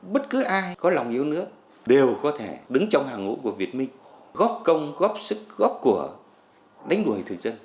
bất cứ ai có lòng yêu nước đều có thể đứng trong hàng ngũ của việt minh góp công góp sức góp của đánh đuổi thực dân